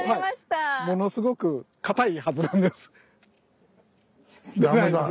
ものすごくかたいはずなんです。